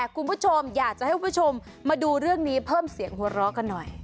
คุณผู้ชมอยากจะให้คุณผู้ชมมาดูเรื่องนี้เพิ่มเสียงหัวเราะกันหน่อย